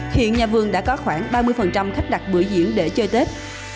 hiện nhà vườn đã có khoảng ba mươi khách đặt bữa diễn để chơi tết